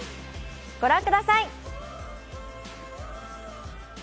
ご覧ください。